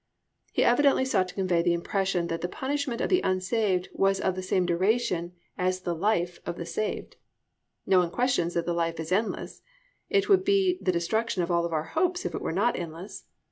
_He evidently sought to convey the impression that the punishment of the unsaved was of the same duration as the life of the saved._ No one questions that the life is endless. It would be the destruction of all our hopes if it were not endless.